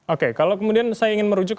oke kalau kemudian saya ingin merujuk ke